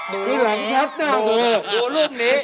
ดูเห็นดูลูกนี้